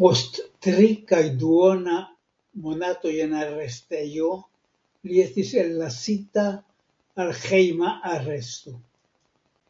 Post tri kaj duona monatoj en arestejo, li estis ellasita al hejma aresto.